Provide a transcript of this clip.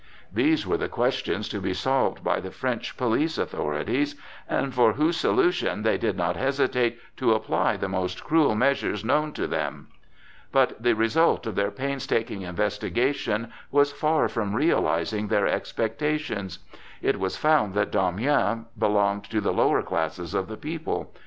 These were the questions to be solved by the French police authorities, and for whose solution they did not hesitate to apply the most cruel measures known to them. But the result of their painstaking investigation was far from realizing their expectations. It was found that Damiens belonged to the lower classes of the people.